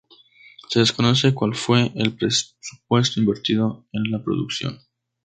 Se desconoce cuál fue el presupuesto invertido en la producción.